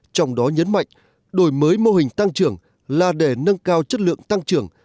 trong đó nhấn mạnh đổi mới mô hình tăng trưởng là để nâng cao chất lượng tăng trưởng